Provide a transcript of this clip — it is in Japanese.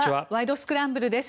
スクランブル」です。